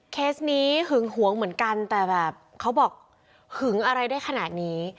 เคสนี้หึงหวงเหมือนกันแต่แบบเขาบอกหึงอะไรได้ขนาดนี้